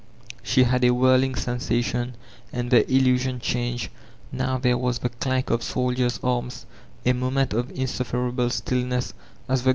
She had a whirling sensation, and the illusion changed; now there was the clank of soldiers' arms, a moment of insufferable stillness as the.